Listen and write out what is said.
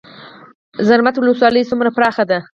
زرمت ولسوالۍ څومره پراخه ده؟